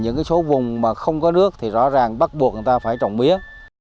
những số vùng mà không có nước thì rõ ràng bắt buộc người ta phải trồng mía